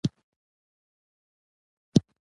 ولانس د علامې لرونکی نه دی، بلکې بې علامې عدد وي.